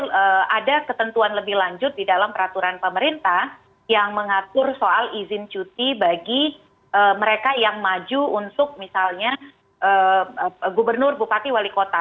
jadi ada ketentuan lebih lanjut di dalam peraturan pemerintah yang mengatur soal izin cuti bagi mereka yang maju untuk misalnya gubernur bupati wali kota